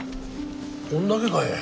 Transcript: こんだけかえ。